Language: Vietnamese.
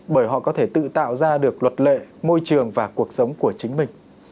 bởi họ có thể tự tạo ra được luật lệ môi trường và cuộc sống của chính mình